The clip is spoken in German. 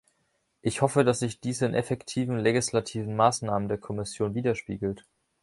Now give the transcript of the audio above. Ich hoffe, dass sich dies in effektiven legislativen Maßnahmen der Kommission widerspiegelt.